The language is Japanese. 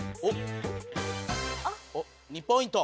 ２ポイント！